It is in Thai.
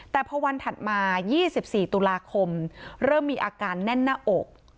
แต่พอวันถัดมา๒๔ตุลาคมเริ่มมีอาการแน่นหน้าอก